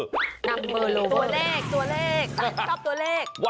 ตัวเลขตัวเลขชอบตัวเลข